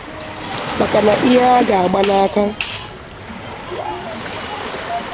maka na ihe a gba n'aka